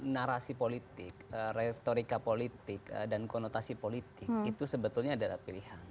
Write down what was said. narasi politik retorika politik dan konotasi politik itu sebetulnya adalah pilihan